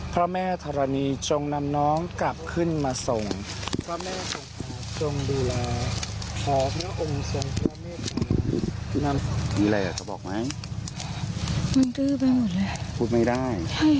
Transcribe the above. เดี๋ยวดันเสียงช่วงนี้เลยค่ะ